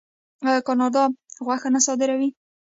آیا کاناډا غوښه نه صادروي؟